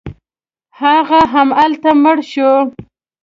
هغه همالته مړ شو.